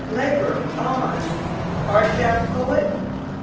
Labonr On! Art thou Poet?